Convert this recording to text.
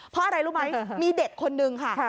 เพราะอะไรรู้ไหมมีเด็กคนนึงค่ะ